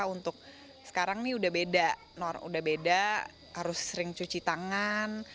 untuk sekarang nih udah beda udah beda harus sering cuci tangan